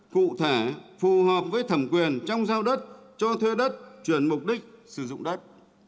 cụ thể phù hợp với thẩm quyền trong giao đất cho thuê đất chuyển mục đích sử dụng đất